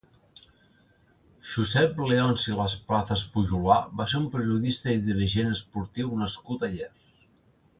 Josep Leonci Lasplazas Pujolar va ser un periodista i dirigent esportiu nascut a Llers.